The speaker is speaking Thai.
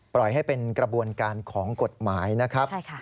ปล่อยให้เป็นกระบวนการของกฎหมายนะครับ